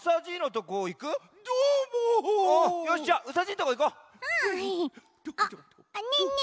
あっねえねえ